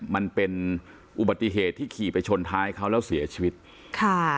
มันเป็นอุบัติเหตุที่ขี่ไปชนท้ายเขาแล้วเสียชีวิตค่ะ